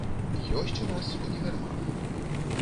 Ёсць у нас універмаг.